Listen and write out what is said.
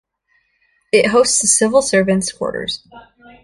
It hosts the civil servants quarters.